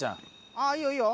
あっいいよいいよ。